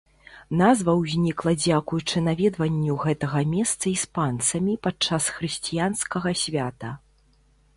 Назва ўзнікла дзякуючы наведванню гэтага месца іспанцамі падчас хрысціянскага свята.